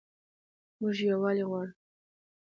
موږ یووالی غواړو